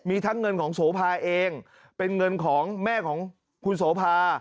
มีทั้งเงินของโสภาเองเป็นเงินของแม่ของคุณโสภา